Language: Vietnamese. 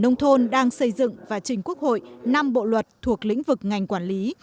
nông thôn đang xây dựng và trình quốc hội năm bộ luật thuộc lĩnh vực ngành quản lý